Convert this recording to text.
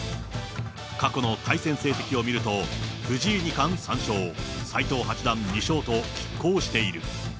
過去の対戦成績を見ると、藤井二冠３勝、斎藤八段２勝と、きっ抗している。